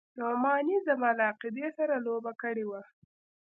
نعماني زما له عقيدې سره لوبه کړې وه.